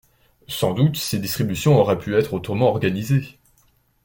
Sans doute, ces distributions auraient pu être autrement organisées.